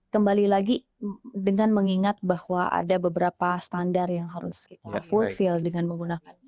kembali lagi dengan mengingat bahwa ada beberapa standar yang harus kita fulfill dengan menggunakannya